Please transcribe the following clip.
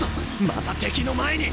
また敵の前に！